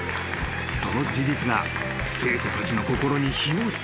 ［その事実が生徒たちの心に火を付けた］